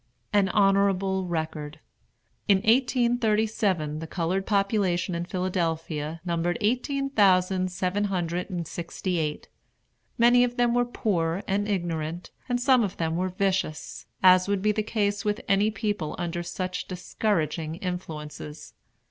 AN HONORABLE RECORD. In 1837 the colored population in Philadelphia numbered eighteen thousand seven hundred and sixty eight. Many of them were poor and ignorant, and some of them were vicious; as would be the case with any people under such discouraging influences.